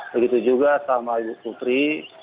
begitu juga sama ibu putri